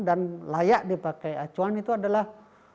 dan layak dipakai acuan itu adalah